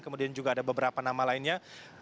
kemudian juga ada beberapa nama lainnya